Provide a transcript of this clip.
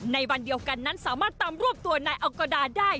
ในวันเดียวกันนั้นสามารถตามรวบตัวนายอัลโกดาได้